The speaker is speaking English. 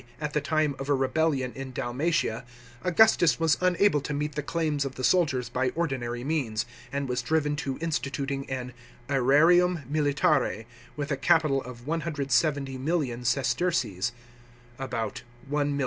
at the time of a rebellion in Dalmatia, Augustus was unable to meet the claims of the soldiers by ordinaiy means, and was driven to instituting an asrarium militare, with a capital of 170,000,000 sesterces (about £1,360,000).